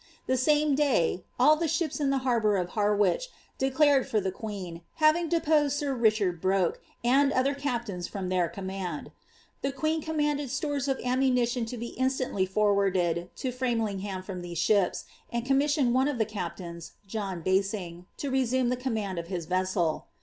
The name day *' all tlie ships la ^e harbour of Harwich declared for die qaccn, having deposed nt Richard Broke, and other captains, from their command." The qiieea eoniniandrd stores of ammiiniiion to be instantly forwarded to Frain foifham from these ships, and commissioned one of the captains, Johft Bwing, to resume the command of his vessel.